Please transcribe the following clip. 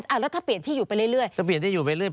แล้วถ้าเปลี่ยนที่อยู่ไปเรื่อยก็เปลี่ยนที่อยู่ไปเรื่อย